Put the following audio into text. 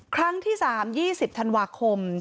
ครั้งที่๓๒๐ธันวาคม